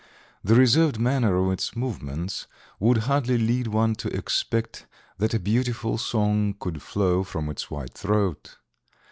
The reserved manner of its movements would hardly lead one to expect that a beautiful song could flow from its white throat.